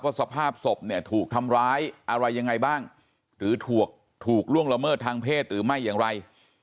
สภาพศพเนี่ยถูกทำร้ายอะไรยังไงบ้างหรือถูกล่วงละเมิดทางเพศหรือไม่อย่างไร